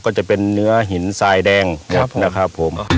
ก็จะเป็นเนื้อหินสายแดงหมดนะครับ